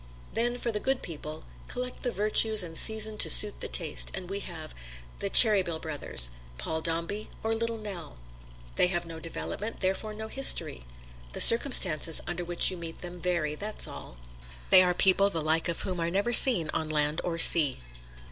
Then, for the good people, collect the virtues and season to suit the taste and we have the Cheeryble Brothers, Paul Dombey or Little Nell. They have no development, therefore no history the circumstances under which you meet them vary, that's all. They are people the like of whom are never seen on land or sea.